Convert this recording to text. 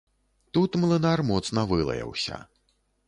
Тут млынар моцна вылаяўся.